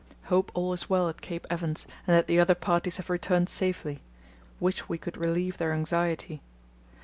Hope all is well at Cape Evans and that the other parties have returned safely. Wish we could relieve their anxiety.